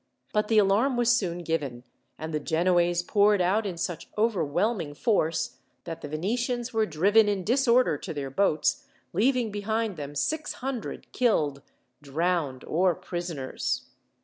But the alarm was soon given, and the Genoese poured out in such overwhelming force that the Venetians were driven in disorder to their boats, leaving behind them six hundred killed, drowned, or prisoners.